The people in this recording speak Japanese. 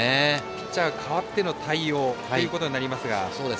ピッチャーかわっての対応ということになりますが。